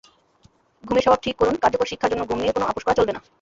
ঘুমের স্বভাব ঠিক করুনকার্যকর শিক্ষার জন্য ঘুম নিয়ে কোনো আপস করা চলবে না।